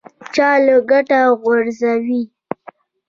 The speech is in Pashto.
چا له کټه غورځوي.